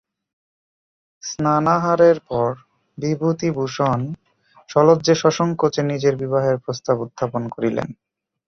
স্নানাহারের পর বিভূতিভূষণ সলজ্জে সসংকোচে নিজের বিবাহের প্রস্তাব উত্থাপন করিলেন।